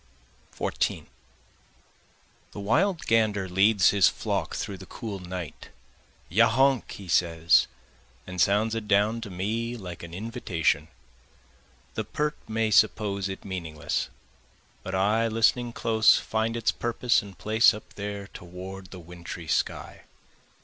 14 The wild gander leads his flock through the cool night, Ya honk he says, and sounds it down to me like an invitation, The pert may suppose it meaningless, but I listening close, Find its purpose and place up there toward the wintry sky.